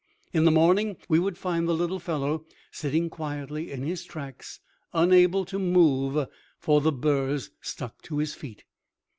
In the morning, we would find the little fellow sitting quietly in his tracks, unable to move, for the burrs stuck to his feet.